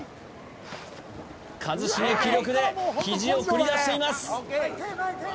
一茂気力でひじを繰り出しています